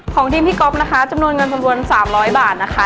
ของทีมพี่ก๊อฟนะคะจำนวนเงินจำนวน๓๐๐บาทนะคะ